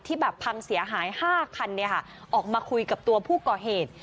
ที่แบบพังเสียหายห้าคันเนี้ยค่ะออกมาคุยกับตัวผู้ก่อเหตุ